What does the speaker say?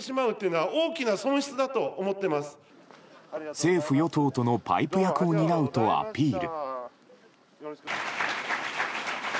政府・与党とのパイプ役を担うとアピール。